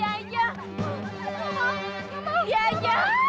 u carrying aku